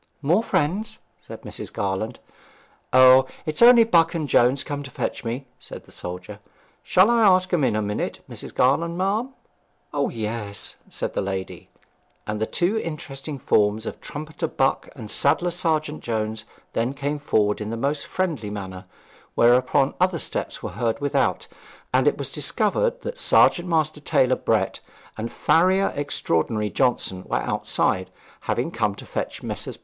'More friends?' said Mrs. Garland. 'O, it is only Buck and Jones come to fetch me,' said the soldier. 'Shall I ask 'em in a minute, Mrs Garland, ma'am?' 'O yes,' said the lady; and the two interesting forms of Trumpeter Buck and Saddler sergeant Jones then came forward in the most friendly manner; whereupon other steps were heard without, and it was discovered that Sergeant master tailor Brett and Farrier extraordinary Johnson were outside, having come to fetch Messrs.